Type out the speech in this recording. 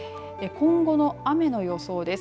今後の雨の予想です。